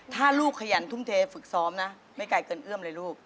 ถ้าลูกขยันทุ่มเทฝึกซ้อมนะไม่ไกลเกินเอื้อมเลยลูก